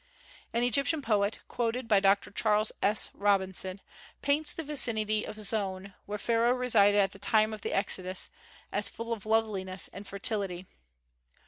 An Egyptian poet, quoted by Dr. Charles S. Robinson, paints the vicinity of Zoan, where Pharaoh resided at the time of the Exodus, as full of loveliness and fertility.